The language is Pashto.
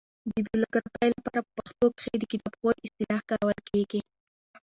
بیبلوګرافي له پاره په پښتو کښي دکتابښود اصطلاح کارول کیږي.